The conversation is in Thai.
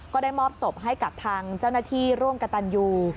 ก็ได้มอบศพให้กับทางเจ้าหน้าที่ร่วมกับตันยู